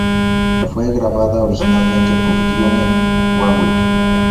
Fue grabada originalmente por Dionne Warwick.